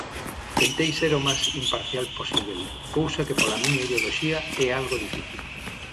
Tentei ser o máis imparcial posíbel, cousa que pola miña ideoloxía é algo difícil.